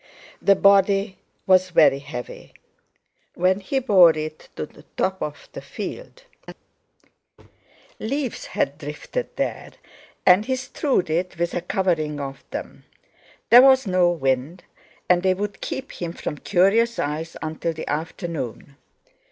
The body was very heavy when he bore it to the top of the field; leaves had drifted there, and he strewed it with a covering of them; there was no wind, and they would keep him from curious eyes until the afternoon.